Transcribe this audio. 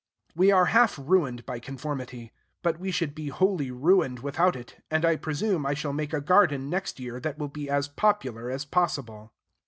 We are half ruined by conformity; but we should be wholly ruined without it; and I presume I shall make a garden next year that will be as popular as possible.